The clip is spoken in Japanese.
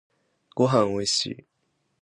ごはんおいしい